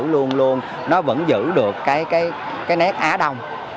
luôn luôn nó vẫn giữ được cái nét á đông